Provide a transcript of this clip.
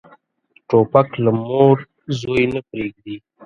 توپک له مور زوی نه پرېږدي.